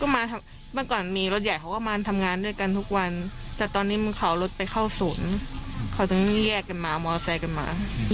มาเมื่อก่อนมีรถใหญ่เขาก็มาทำงานด้วยกันทุกวันแต่ตอนนี้มึงขับรถไปเข้าศูนย์เขาถึงแยกกันมามอไซค์กันมา